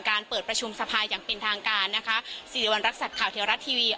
เปิดประชุมสภาอย่างเป็นทางการนะคะสิริวัณรักษัตริย์ข่าวเทวรัฐทีวี